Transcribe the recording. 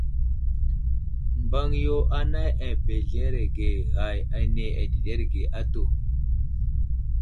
Mbaŋ yo anay abəzləreege ghay áne adəɗerge atu.